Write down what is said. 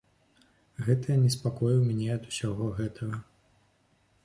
Гэта неспакой у мяне ад усяго гэтага.